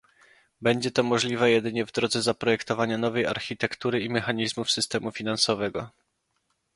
Będzie to możliwe jedynie w drodze zaprojektowania nowej architektury i mechanizmów systemu finansowego